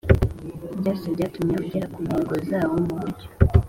byose byatuma ugera ku ntego zawo mu buryo